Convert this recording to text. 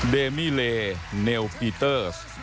เดมิเลเนลฟีเตอร์ส